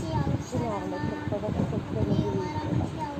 წინააღმდეგ შემთხვევაში შეჩვენებული იქნება.